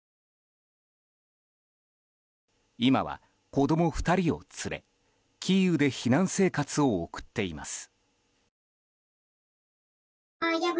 今は子供を２人連れ、キーウで避難生活を送っています。